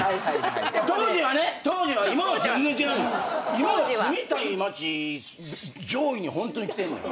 今は住みたい街上位にホントに来てんのよ。